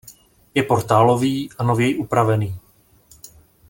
Je portálový a nověji upravený.